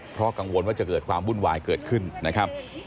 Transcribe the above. เพราะกังวลว่าจะเกิดความวุ่นวายเกิดขึ้นนะครับ